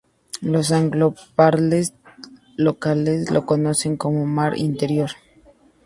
Los angloparlantes locales lo conocen como "mar interior".